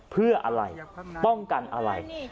เพื่ออะไรป้องกันอะไร